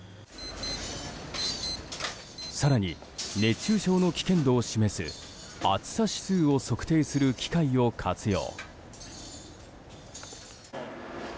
更に、熱中症の危険度を示す暑さ指数を測定する機械を活用。